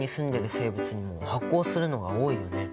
生物にも発光するのが多いよね。